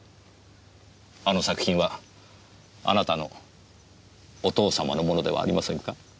あの作品はあなたのお父様のものではありませんか？